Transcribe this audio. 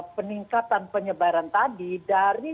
peningkatan penyebaran tadi dari